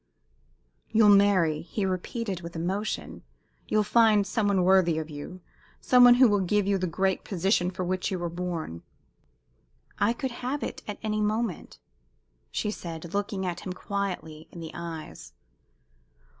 "You'll marry," he repeated, with emotion. "You'll find some one worthy of you some one who will give you the great position for which you were born." "I could have it at any moment," she said, looking him quietly in the eyes.